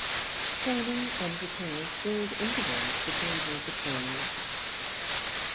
Training and repairs filled intervals between her patrols.